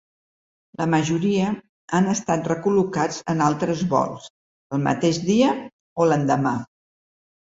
La majoria han estat recol·locats en altres vols el mateix dia o l’endemà.